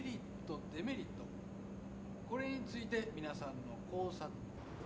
これについて皆さんの。